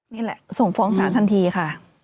นี่แหละส่งฟ้องศาลทันทีค่ะ